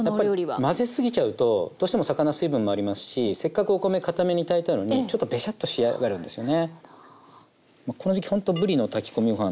混ぜすぎちゃうとどうしても魚水分もありますしせっかくお米かために炊いたのにちょっとベシャッと仕上がるんですよね。